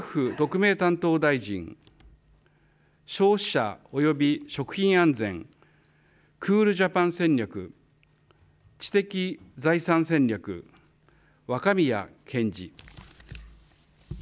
特命担当大臣、消費者および食品安全、クールジャパン戦略、知的財産戦略、若宮健嗣。